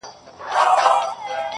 ادبي شعري ژانرونه خپل کړي